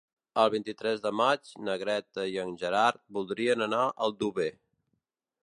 El vint-i-tres de maig na Greta i en Gerard voldrien anar a Aldover.